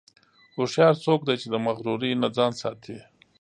هوښیار څوک دی چې د مغرورۍ نه ځان ساتي.